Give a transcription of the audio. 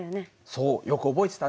そうよく覚えてたね。